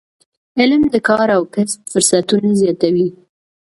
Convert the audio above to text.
علم د کار او کسب فرصتونه زیاتوي.